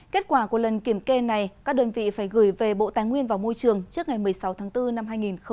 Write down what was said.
kết quả của lần kiểm kê này các đơn vị phải gửi về bộ tài nguyên và môi trường trước ngày một mươi sáu tháng bốn năm hai nghìn hai mươi